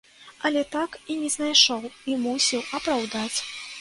Але так і не знайшоў, і мусіў апраўдаць.